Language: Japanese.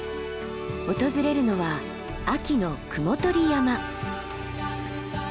訪れるのは秋の雲取山。